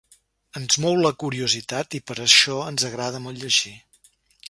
Ens mou la curiositat i per això ens agrada molt llegir.